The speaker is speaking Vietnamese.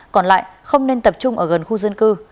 còn lại không nên tập trung ở gần khu dân cư